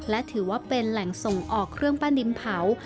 และถือว่าเป็นแหล่งส่งออกเครื่องปั้นดินเผา